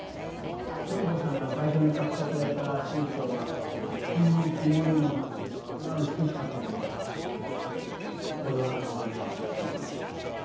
苑子さんが最初に買ってくれた水晶は一点の曇りもなくてそれは美しかったけどこれはこれで美しいでしょう？